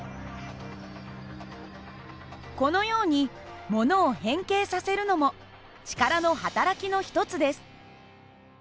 このようにものを変形させるのも力のはたらきの一つです。